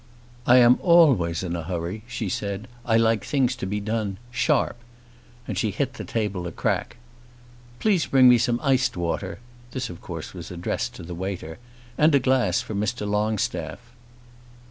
"I am always in a hurry," she said. "I like things to be done sharp." And she hit the table a crack. "Please bring me some iced water," this of course was addressed to the waiter. "And a glass for Mr. Longstaff."